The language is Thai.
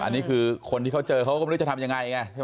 อันนี้คือคนที่เขาเจอเขาก็ไม่รู้จะทำยังไงไงใช่ไหม